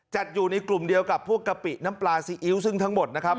อยู่ในกลุ่มเดียวกับพวกกะปิน้ำปลาซีอิ๊วซึ่งทั้งหมดนะครับ